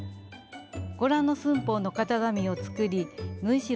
ご覧の寸法の型紙を作り縫い代